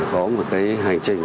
có một cái hành trình